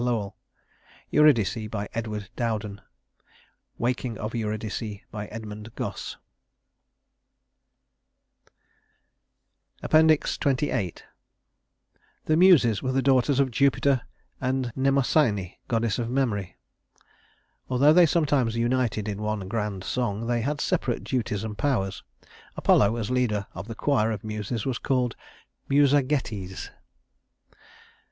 LOWELL Eurydice EDWARD DOWDEN Waking of Eurydice EDMUND GOSSE XXVIII The Muses were the daughters of Jupiter and Mnemosyne, goddess of memory. Although they sometimes united in one grand song, they had separate duties and powers. Apollo as leader of the choir of Muses was called Musagetes.